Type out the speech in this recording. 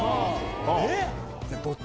えっ？